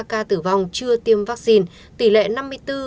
hai mươi ba ca tử vong chưa tiêm vaccine tỷ lệ là năm mươi bốn bảy mươi hai